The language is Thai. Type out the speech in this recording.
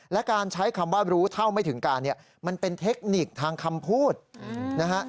และการใช้คำว่ารู้เท่าไม่ถึงการเนี่ยมันเป็นเทคนิคทางคำพูดนะฮะ